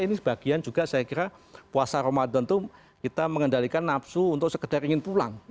ini sebagian juga saya kira puasa ramadan itu kita mengendalikan nafsu untuk sekedar ingin pulang